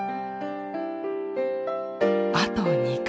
あと２回。